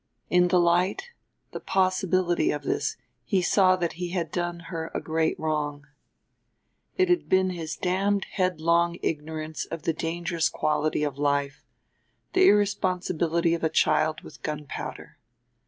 In the light, the possibility, of this he saw that he had done her a great wrong. It had been his damned headlong ignorance of the dangerous quality of life, the irresponsibility of a child with gunpowder.